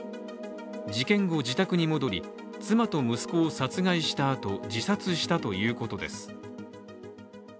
事件後、自宅に戻り妻と息子を殺害したあと自殺したということです。